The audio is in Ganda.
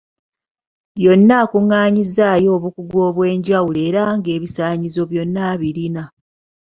Yonna akungaanyizzaayo obukugu obwenjawulo era ng’ebisaanyizo byonna abirina.